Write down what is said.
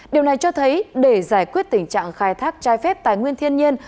điều này cho thấy để giải quyết tình trạng khai thác trái phép tài nguyên thiên nhiên